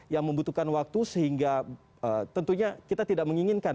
yang membutuhkan waktu sehingga tentunya kita tidak menginginkan